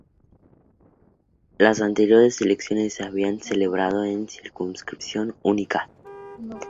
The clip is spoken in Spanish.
Las anteriores elecciones se habían celebrado en circunscripción única.